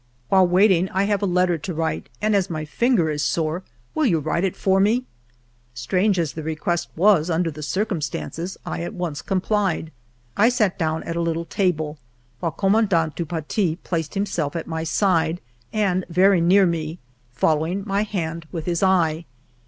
While waiting, I have a letter to write, and as my finger is sore, will you write it for me ?" Strange as the request was under the circumstances, I at once complied. I 8 FIVE YEARS OF MY LIFE sat down at a little table, while Commandant du Paty placed himself at my side and very near me, following my hand with his eye.